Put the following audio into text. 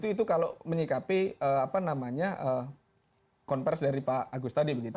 itu kalau menyikapi konversi dari pak agus tadi begitu